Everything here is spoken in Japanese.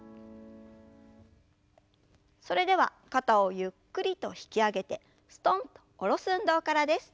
それでは肩をゆっくりと引き上げてすとんと下ろす運動からです。